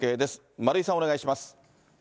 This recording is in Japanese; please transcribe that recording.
丸井さん、お願いします。